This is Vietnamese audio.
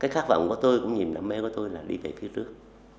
cái khát vọng của tôi cũng nhiềm đam mê của tôi là đi về phía trước